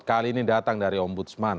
kali ini datang dari om budsman